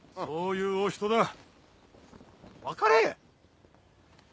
そういうお人だ分かれ！